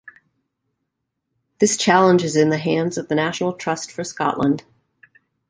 This challenge is in the hands of the National Trust for Scotland.